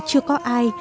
chưa có ai